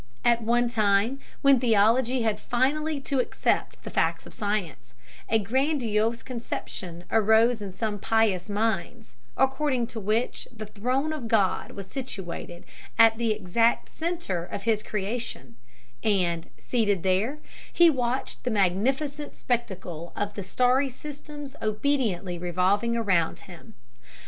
At one time, when theology had finally to accept the facts of science, a grandiose conception arose in some pious minds, according to which the Throne of God was situated at the exact center of His Creation, and, seated there, He watched the magnificent spectacle of the starry systems obediently revolving around Him.